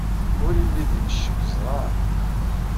Ur yelli din ccekk ẓran.